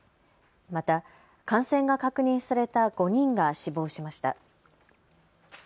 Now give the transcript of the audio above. また感染が確認された５人が死亡しました。